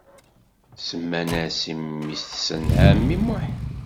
Semman-as i mmi-tsen ɛemmi Muḥ.